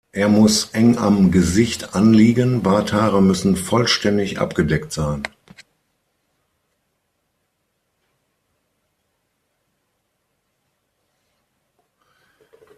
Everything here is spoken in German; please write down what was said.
Er muss eng am Gesicht anliegen, Barthaare müssen vollständig abgedeckt sein.